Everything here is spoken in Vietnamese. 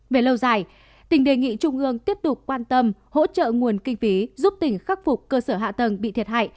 về lâu dài tỉnh đề nghị trung ương tiếp tục quan tâm hỗ trợ nguồn kinh phí giúp tỉnh khắc phục cơ sở hạ tầng bị thiệt hại